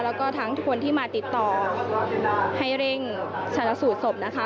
แล้วก็ทั้งทุกคนที่มาติดต่อให้เร่งชาญสูตรศพนะคะ